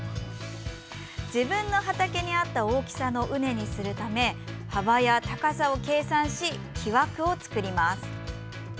自分の畑に合った大きさの畝にするため幅や高さを計算し木枠を作ります。